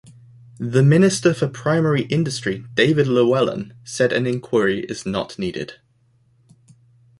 The Minister for Primary Industry, David Llewellyn said an inquiry is not needed.